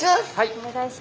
お願いします。